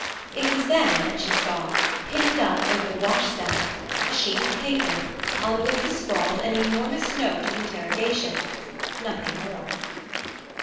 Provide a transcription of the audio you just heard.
It was then that she saw, pinned up over the washstand, a sheet of paper on which was scrawled an enormous note of interrogation. Nothing more.